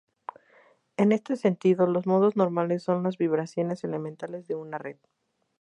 En este sentido, los modos normales son las vibraciones "elementales" de una red.